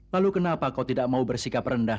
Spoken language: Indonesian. lalu kenapa kau tidak mau bersikap rendah